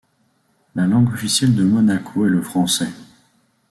La langue officielle de Monaco est le français.